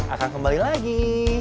akan kembali lagi